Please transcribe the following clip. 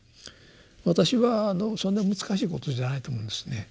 私はそんな難しいことじゃないと思うんですね。